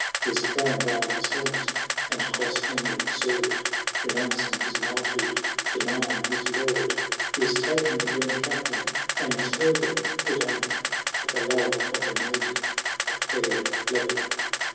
— He has thrown by his helmet and cross handled sword, Renouncing his knighthood, denying his Lord ; He has ta'en the green caftan, and turban put on, For the love of the maiden of fair Lebanon.